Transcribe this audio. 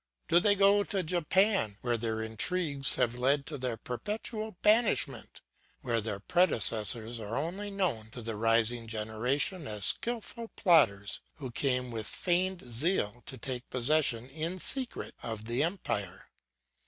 Do they go to Japan, where their intrigues have led to their perpetual banishment, where their predecessors are only known to the rising generation as skilful plotters who came with feigned zeal to take possession in secret of the empire?